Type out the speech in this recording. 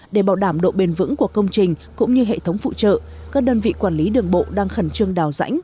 để bảo đảm độ bền vững của công trình cũng như hệ thống phụ trợ các đơn vị quản lý đường bộ đang khẩn trương đào rãnh